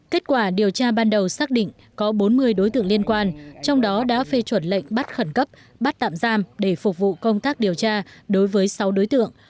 kết quả điều tra ban đầu xác định có bốn mươi đối tượng liên quan trong đó đã phê chuẩn lệnh bắt khẩn cấp bắt tạm giam để phục vụ công tác điều tra đối với sáu đối tượng